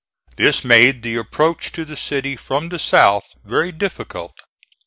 This made the approach to the city from the south very difficult.